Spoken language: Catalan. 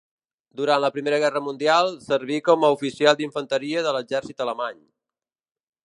Durant la Primera Guerra Mundial serví com a oficial d'infanteria de l'exèrcit alemany.